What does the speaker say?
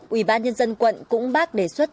ubnd quận cũng bác đề xuất